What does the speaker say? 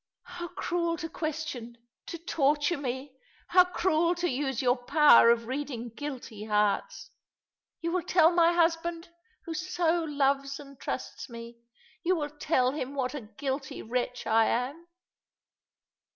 " How crubl 262 All along the River, to qnestion— to torture me — liow cruel to use your power of reading guilty hearts. You will tell my husband, who so loves and trusts me. You will tell him what a guilty wretch I am."